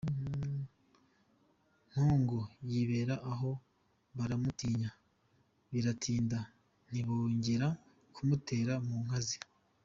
Mpongo yibera aho baramutinya biratinda, ntibongera kumutera mu nka ze.